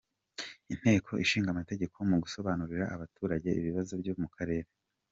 Inteko Ishinga Amategeko mu gusobanurira abaturage ibibazo byo mu karere